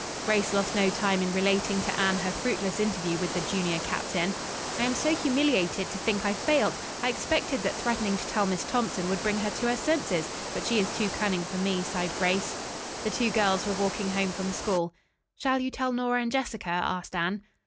Grace lost no time in relating to Anne her fruitless interview with the junior captain. "I am so humiliated to think I failed. I expected that threatening to tell Miss Thompson would bring her to her senses, but she is too cunning for me," sighed Grace. The two girls were walking home from school. "Shall you tell Nora and Jessica?" asked Anne.